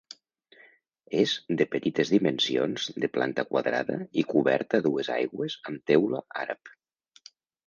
És de petites dimensions, de planta quadrada i coberta a dues aigües amb teula àrab.